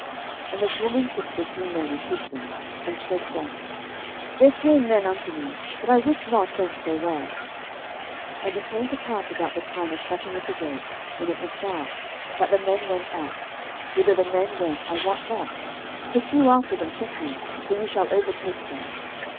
06:002:004 And the woman took the two men, and hid them, and said thus, There came men unto me, but I wist not whence they were: 06:002:005 And it came to pass about the time of shutting of the gate, when it was dark, that the men went out: whither the men went I wot not: pursue after them quickly; for ye shall overtake them.